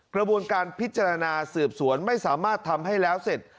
กระบวนการพิจารณาสืบสวนไม่สามารถทำให้แล้วเสร็จ